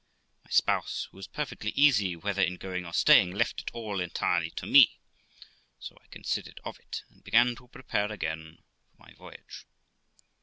My spouse, who was perfectly easy whether in going or staying, left it all entirely to me; so I considered of it, and began to prepare again for my voyage.